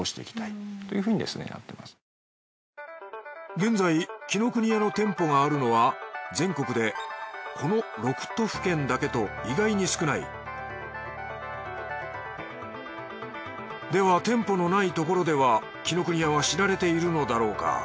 現在紀ノ国屋の店舗があるのは全国でこの６都府県だけと意外に少ないでは店舗のないところでは紀ノ国屋は知られているのだろうか？